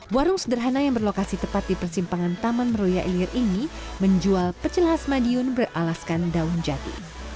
warung sederhana yang berlokasi tepat di persimpangan taman meroya ilir ini menjual pecel khas madiun beralaskan daun jati